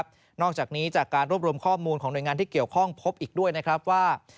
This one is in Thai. นอกจากนี้จากการรวบรวมข้อมูลของหน่วยงานที่เกี่ยวข้องพบอีกด้วยนะครับว่า